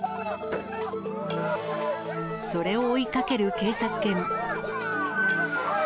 それを追いかける警察犬。